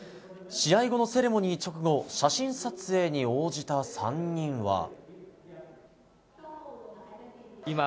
試合後のセレモニー直後写真撮影に応じた３人は。